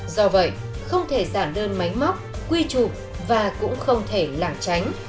do vậy không thể giản đơn máy móc quy trục và cũng không thể lạng tránh